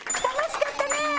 楽しかったね。